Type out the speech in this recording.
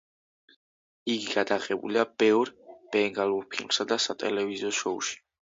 იგი გადაღებულია ბევრ ბენგალურ ფილმსა და სატელევიზიო შოუში.